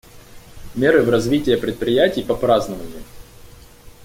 Меры в развитие мероприятий по празднованию.